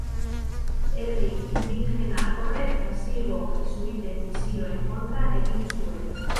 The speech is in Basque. Herri indigena horrek Brasilgo Jesuiten misioen kontra egin zuen.